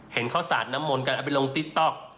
เห็นเขาสาดน้ำมนต์กันเอาไปลงติ๊กต๊อก